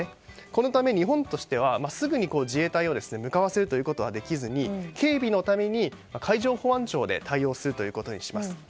このため、日本としてはすぐに自衛隊を向かわせることはできずに警備のために海上保安庁で対応するということにします。